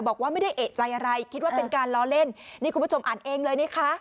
บอกว่าไม่ได้เอกใจอะไรคิดว่าเป็นการล้อเล่นนี่คุณผู้ชมอ่านเองเลยนะคะ